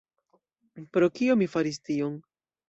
Pro kio mi faris tion?